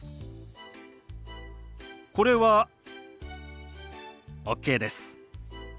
これはＯＫです。